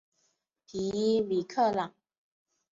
皮伊米克朗。